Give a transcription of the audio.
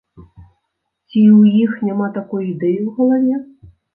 Ці ў іх няма такой ідэі ў галаве?